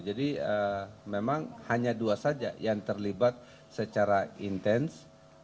jadi memang hanya dua saja yang terlibat secara intens